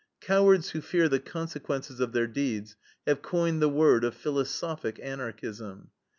Cowards who fear the consequences of their deeds have coined the word of philosophic Anarchism.